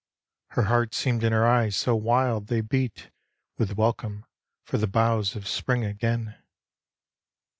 Her heart seemed in her eyes so wild they beat With welcome for the boughs of Spring again.